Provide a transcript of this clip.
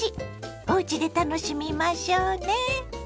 おうちで楽しみましょうね。